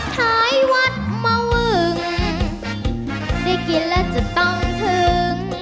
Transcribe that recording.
ท้ายวัดมะวึงได้กินแล้วจะต้องถึง